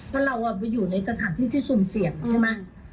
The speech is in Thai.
เพราะเราอยู่ในสถานที่ที่สุ่มเสี่ยงใช่ไหม